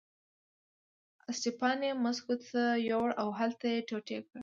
اسټپان یې مسکو ته یووړ او هلته یې ټوټې کړ.